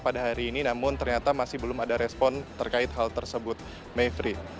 pada hari ini namun ternyata masih belum ada respon terkait hal tersebut mayfrey